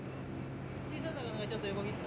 小さい魚がちょっと横切った。